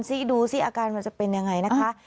ซิดูซิอาการมันจะเป็นอย่างไรนะคะ